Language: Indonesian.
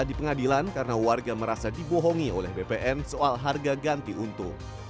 di pengadilan karena warga merasa dibohongi oleh bpn soal harga ganti untung